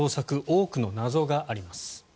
多くの謎があります。